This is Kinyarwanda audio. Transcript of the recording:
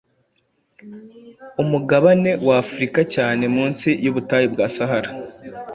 Umugabane wa Afurika cyane munsi y’ubutayu bwa sahara